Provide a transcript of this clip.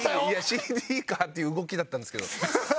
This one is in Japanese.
いやＣＤかっていう動きだったんですけど。